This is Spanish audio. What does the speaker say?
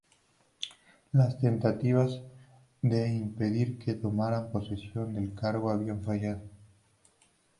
Las tentativas de impedir que tomara posesión del cargo habían fallado.